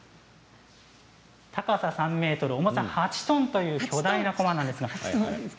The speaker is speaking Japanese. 高さ３ｍ、重さ８トンという巨大なこまです。